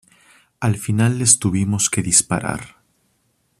Al final les tuvimos que disparar.